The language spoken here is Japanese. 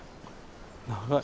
長い。